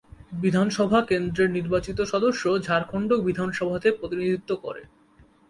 বিধানসভা কেন্দ্রের নির্বাচিত সদস্য ঝাড়খণ্ড বিধানসভাতে প্রতিনিধিত্ব করে।